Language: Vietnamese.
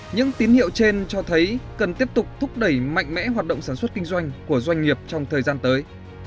những tín hiệu trên cho thấy cần tiếp tục thúc đẩy mạnh mẽ hoạt động sản xuất kinh doanh của doanh nghiệp trong thời gian tới